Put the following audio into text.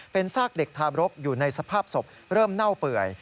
เป็นซากเด็กทาบรกอยู่ในสภาพศพเริ่มเน่าเปื่อย